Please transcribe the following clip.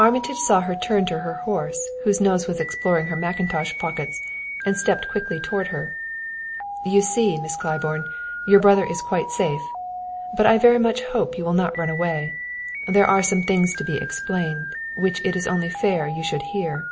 Armitage saw her turn to her horse, whose nose was exploring her mackintosh pockets, and he stepped quickly toward her. "You see, Miss Claiborne, your brother is quite safe, but I very much hope you will not run away. There are some things to be explained which it is only fair you should hear."